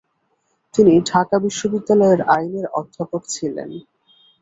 তিনি ঢাকা বিশ্ববিদ্যালয়ের আইনের অধ্যাপক ছিলেন।